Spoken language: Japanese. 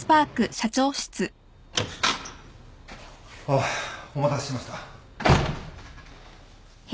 あっお待たせしました。